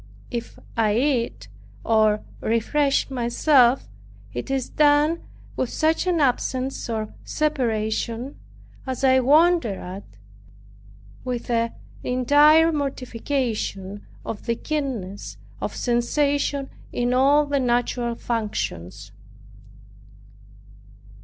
If I eat, or refresh myself, it is done with such an absence, or separation, as I wonder at, with an entire mortification of the keenness of sensation in all the natural functions.